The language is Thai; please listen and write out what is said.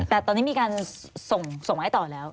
แต่ตอนนี้มีการส่งไม้ต่อแล้ว